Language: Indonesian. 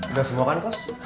udah semua kan kos